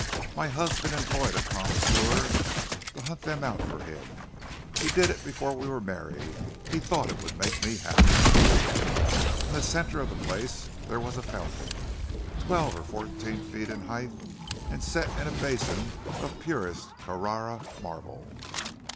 "My husband employed a connoisseur to hunt them out for him. He did it before we were married—he thought it would make me happy." In the centre of the place there was a fountain, twelve or fourteen feet in height, and set in a basin of purest Carrara marble.